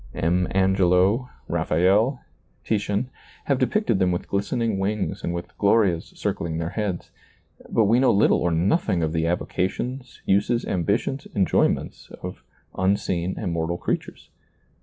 M. Angelo, Raphael, Titian, have depicted them with glistening wings and with glorias circling their heads, but we know little or nothing of the avocations, uses, ambitions, enjoyments of unseen immortal creatures.